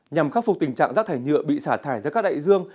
nhằm khắc phục tình trạng rác thải nhựa bị xả thải ra các đại dương